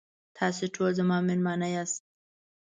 تاسې ټول زما میلمانه یاست.